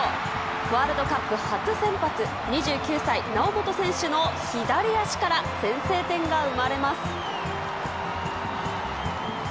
ワールドカップ初先発、２９歳、猶本選手の左足から先制点が生まれます。